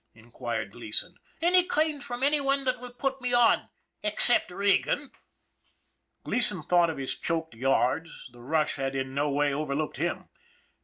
inquired Gleason. " Any kind from any one that will put me on ex cept Regan." Gleason thought of his choked yards the rush had in no way overlooked him.